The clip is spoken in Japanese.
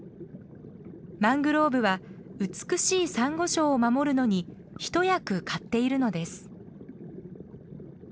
マングローブは美しいさんご礁を守るのに一役買っているのです。